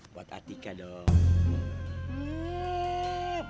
buat adhika dong